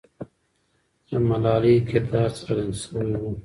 د ملالۍ کردار څرګند سوی وو.